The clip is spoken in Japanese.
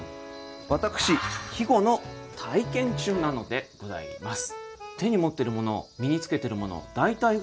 私季語の体験中なのでございます。